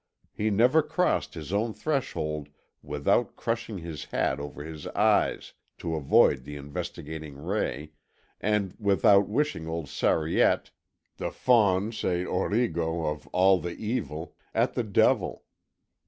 He never crossed his own threshold without crushing his hat over his eyes to avoid the investigating ray and without wishing old Sariette, the fons et origo of all the evil, at the devil.